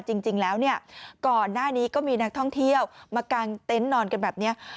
จริงแล้วเนี่ยก่อนหน้านี้ก็มีนักท่องเที่ยวมากางเต็นต์นอนกันแบบนี้